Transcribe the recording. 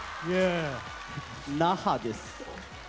那覇です。